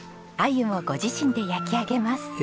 アユもご自身で焼き上げます。